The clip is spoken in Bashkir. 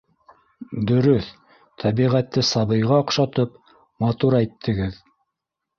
— Дөрөҫ, тәбиғәтте сабыйға оҡшатып, матур әйттегеҙ